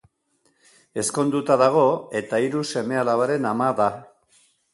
Ezkonduta dago eta hiru seme-alabaren ama da.